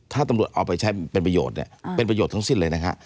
ถ้าตำรวจเอาไปใช้เป็นประโยชน์เนี่ยเป็นประโยชน์ทั้งสิ้นเลยนะฮะ